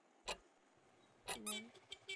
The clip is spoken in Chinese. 昙摩难提人。